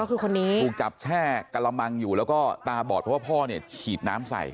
ก็คือคนนี้ถูกจับแช่กระมังอยู่แล้วก็ตาบอดเพราะว่าพ่อเนี่ยฉีดน้ำใส่